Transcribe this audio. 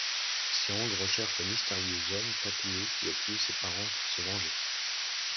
Siang recherche le mystérieux homme tatoué qui a tué ses parents pour se venger...